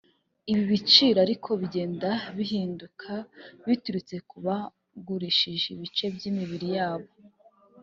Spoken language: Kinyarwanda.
Ibi biciro ariko bigenda bihinduka biturutse ku bagurishije ibice by’imibiri yabo